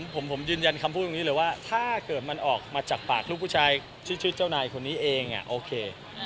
ผมยืนยันคำพูดว่าถ้าเกิดมันออกมาจากปากหลูกผู้ชายเชิ้นเจ้านายคนนี้นี่ก็โอเค